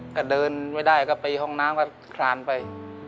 ก็เดินไม่ได้ก็ไปห้องน้ำก็คลานไป